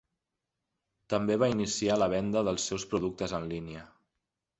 També va iniciar la venda dels seus productes en línia.